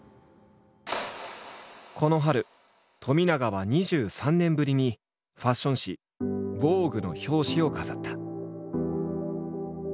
この春冨永は２３年ぶりにファッション誌「ＶＯＧＵＥ」の表紙を飾った。